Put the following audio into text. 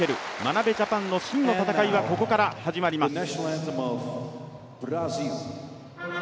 眞鍋ジャパンの真の戦いはここから始まります。